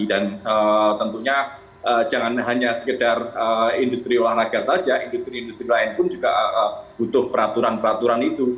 dan tentunya jangan hanya sekedar industri olahraga saja industri industri lain pun juga butuh peraturan peraturan itu